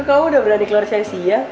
kalau udah berani keluar sesi ya